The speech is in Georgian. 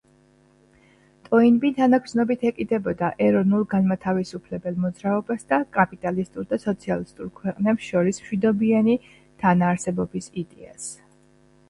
ტოინბი თანაგრძნობით ეკიდებოდა ეროვნულ-განმათავისუფლებელ მოძრაობას და კაპიტალისტურ და სოციალისტურ ქვეყნებს შორის მშვიდობიანი თანაარსებობის იდეას.